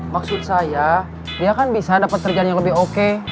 maksud saya dia kan bisa dapat kerjaan yang lebih oke